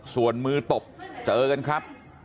ส่วนมือตบเจอกันครับ